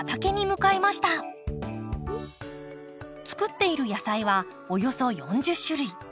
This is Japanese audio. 作っている野菜はおよそ４０種類。